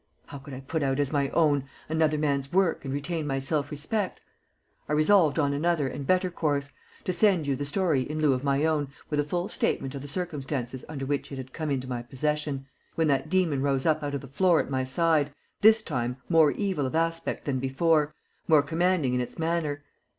How could I put out as my own another man's work and retain my self respect? I resolved on another and better course to send you the story in lieu of my own with a full statement of the circumstances under which it had come into my possession, when that demon rose up out of the floor at my side, this time more evil of aspect than before, more commanding in its manner.